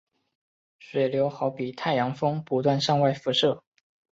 水流好比太阳风不断向外喷射。